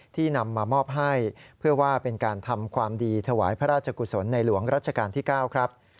นำมามอบให้เพื่อว่าเป็นการทำความดีถวายพระราชกุศลในหลวงรัชกาลที่๙ครับ